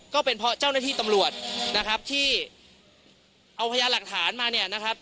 ก็เป็นเพราะเจ้าหน้าที่ตำรวจนะครับที่เอาพยานหลักฐานมาเนี่ยนะครับ